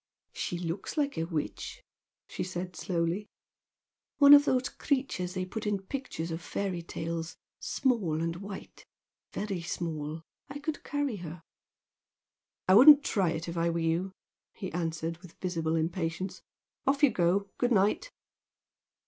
"She looks like a witch," she said slowly "One of those creatures they put in pictures of fairy tales, small and white. Very small, I could carry her." "I wouldn't try it if I were you" he answered, with visible impatience "Off you go! Good night!"